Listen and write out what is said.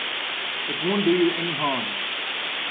It won't do you any harm.